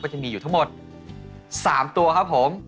จะมีอยู่ทั้งหมด๓ตัวครับผม